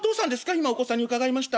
今お子さんに伺いました。